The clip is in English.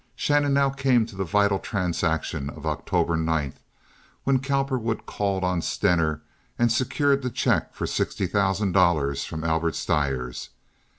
Shannon now came to the vital transaction of October 9th, when Cowperwood called on Stener and secured the check for sixty thousand dollars from Albert Stires.